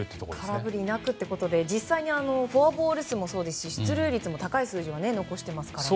空振りなくということで実際にフォアボール数もそうですし出塁率も高い数字は残していますからね。